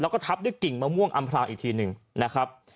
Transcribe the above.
แล้วก็ทับด้วยกิ่งมะม่วงอำพรางอีกทีหนึ่งนะครับ